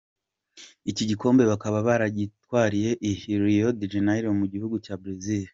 Iki gikombe bakaba baragitwariye I Rio de Janeiro mu gihugu cya Brazil.